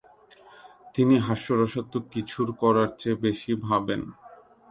তিনি হাস্যরসাত্মক কিছুর করার চেয়ে বেশি কিছু ভাবেন।